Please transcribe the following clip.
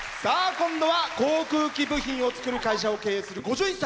今度は航空機部品を作る会社を経営する５１歳。